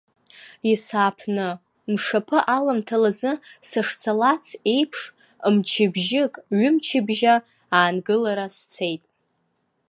Ес-ааԥны, мшаԥы аламҭалазы сышцалацыз еиԥш, мчыбжьык-ҩымчыбжьа аангылара сцеит.